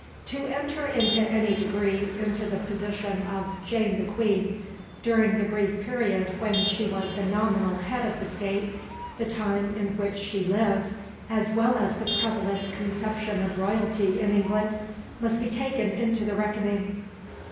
To enter in any degree into the position of "Jane the Queen" during the brief period when she was the nominal head of the State, the time in which she lived, as well as the prevalent conception of royalty in England, must be taken into the reckoning.